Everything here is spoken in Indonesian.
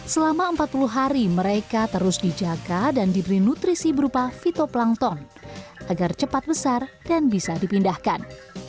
selama empat puluh hari mereka terus dijaga dan diberi nutrisi berupa fitoplangton agar cepat besar dan bisa dipindahkan